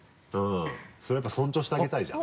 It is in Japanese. それやっぱり尊重してあげたいじゃん。